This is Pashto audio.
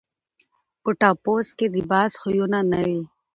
په ټپوس کي د باز خویونه نه وي.